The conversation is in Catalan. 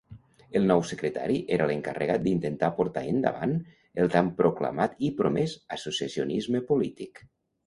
El nou Secretari era l'encarregat d'intentar portar endavant el tan proclamat i promès associacionisme polític.